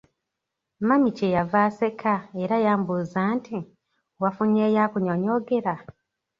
Mami kye yava aseka era yambuuza nti, "wafunyeeyo akunyonyoogera?"